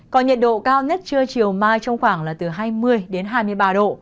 còn nhiệt độ cao nhất trưa chiều mai trong khoảng là từ hai mươi đến hai mươi ba độ